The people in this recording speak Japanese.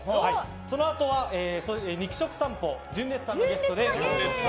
そのあとは肉食さんぽ純烈さんがゲストです。